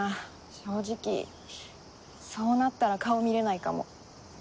正直そうなったら顔見られないかも。